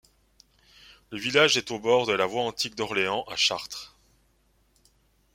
Le village est au bord de la voie antique d'Orléans à Chartres.